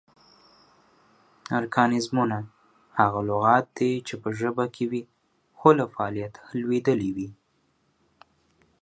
ارکانیزمونه: هغه لغات دي چې پۀ ژبه کې وي خو لۀ فعالیت لویدلي وي